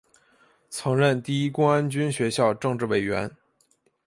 曾任第一公安军学校政治委员。